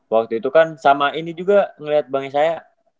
waktu itu kan sama ini juga ngeliat banknya saya